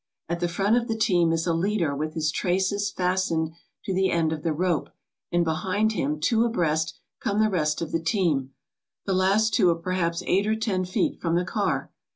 At the front of the team is a leader with his traces fastened to the end of the rope, and behind him, two abreast, come the rest of the team. The last two are perhaps eight or ten feet from the car.